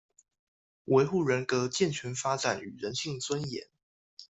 維護人格健全發展與人性尊嚴